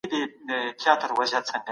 هر څوک د عادلانه محکمې حق لري.